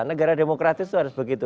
negara demokratis itu harus begitu